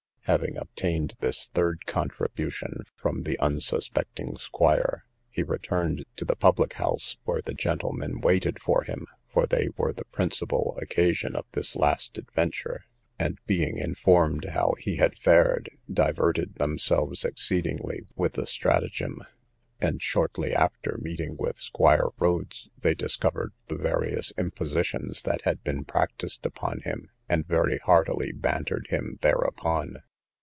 Having obtained this third contribution from the unsuspecting squire, he returned to the public house, where the gentlemen waited for him (for they were the principal occasion of this last adventure); and being informed how he had fared, diverted themselves exceedingly with the stratagem; and shortly after, meeting with Squire Rhodes, they discovered the various impositions that had been practised upon him, and very heartily bantered him thereupon.